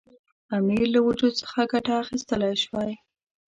امیر له وجود څخه ګټه اخیستلای شوای.